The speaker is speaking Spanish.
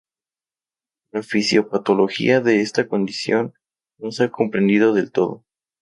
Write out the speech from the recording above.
La fisiopatología de esta condición no se ha comprendido del todo.